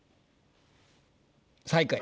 最下位。